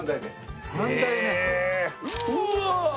うわ！